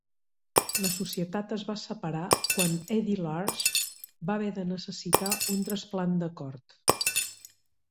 La societat es va separar quan Eddie Large va haver de necessitar un trasplant de cor.